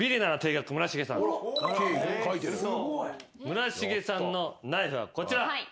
村重さんのナイフはこちら。